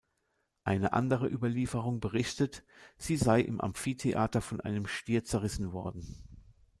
Eine andere Überlieferung berichtet, sie sei im Amphitheater von einem Stier zerrissen worden.